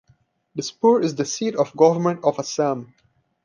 Dispur is the seat of Government of Assam.